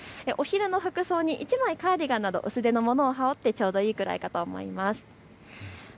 お昼の服装に１枚カーディガンなど薄手のものを羽織ってちょうどいいぐらいだと思います。